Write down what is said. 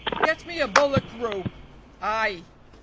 "Get me a bullock rope." "Ay!"